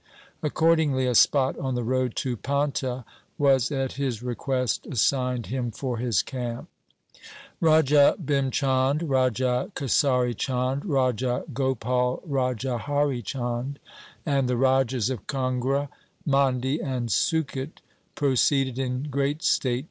Accordingly a spot on the road to Paunta was at his request assigned him for his camp. Raj a Bhim Chand, Raja Kesari Chand, Raja Gopal, Raja Hari Chand, and the Rajas of Kangra, Mandi, and Suket, proceeded in great state to Srinagar.